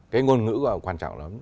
cái ngôn ngữ của họ quan trọng lắm